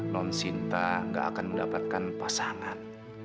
non sinta gak akan mendapatkan pasangan